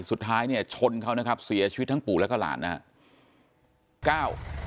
สุดท้ายเนี่ยชนเขานะครับเสียชีวิตทั้งปู่แล้วก็หลานนะครับ